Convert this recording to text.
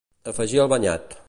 Afegir al banyat.